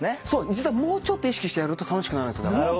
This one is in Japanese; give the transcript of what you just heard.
実はもうちょっと意識してやると楽しくなる。